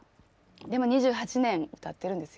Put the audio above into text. でも２８年歌ってるんですよね。